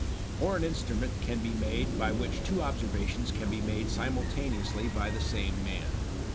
Or an instrument can be made by which two observations can be made simultaneously by the same man.